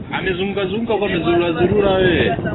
Wilaya za mjini hazionyeshwi